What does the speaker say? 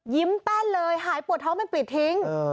ยิ้มแต้นเลยหายปวดท้องไปปิดทิ้ง